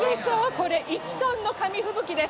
これ、１トンの紙吹雪です。